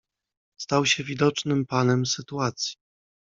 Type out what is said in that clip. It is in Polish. "Stał się widocznym panem sytuacji."